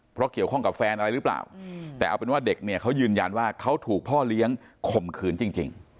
เพราะเกี่ยวข้องกับแฟนอะไรหรือเปล่าแต่เอาเป็นว่าเด็กเนี่ยเขายืนยันว่าเขาถูกพ่อเลี้ยงข่มขืนจริง